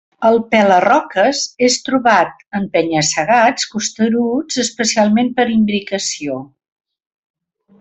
El Pela-roques és trobat en penya-segats costeruts especialment per imbricació.